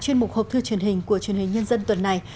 chuyên mục hộp thư truyền hình của truyền hình nhân dân tuần này